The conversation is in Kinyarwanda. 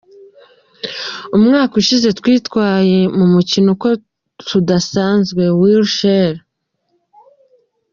Umwaka ushize Twitwaye mu mu kino uko tudasanzwe‘‘wilshere.